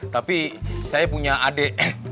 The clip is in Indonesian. tapi saya punya adik